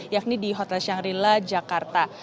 yakni di hotel shangri la jakarta